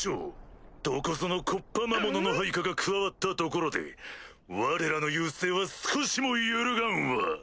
どこぞの木っ端魔物の配下が加わったところでわれらの優勢は少しも揺るがんわ！